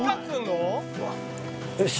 よし！